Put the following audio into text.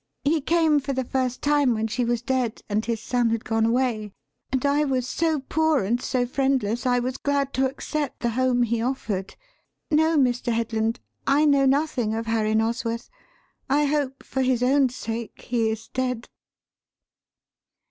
He came for the first time when she was dead and his son had gone away: and I was so poor and so friendless I was glad to accept the home he offered. No, Mr. Headland, I know nothing of Harry Nosworth. I hope, for his own sake, he is dead."